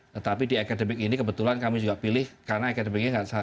tetapi di akademik ini kebetulan kami juga pilih karena akademiknya tidak sekedar saya